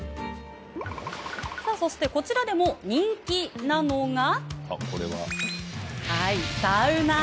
そして、こちらでも人気なのがサウナ。